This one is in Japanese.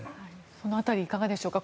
その辺りいかがでしょうか。